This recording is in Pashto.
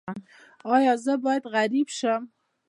ایا زه باید غریب شم؟